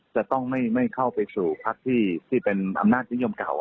จะต้องไม่เข้าไปสู่พักที่เป็นอำนาจนิยมเก่า